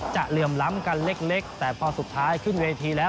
เหลื่อมล้ำกันเล็กแต่พอสุดท้ายขึ้นเวทีแล้ว